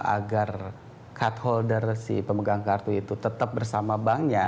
agar catholder si pemegang kartu itu tetap bersama banknya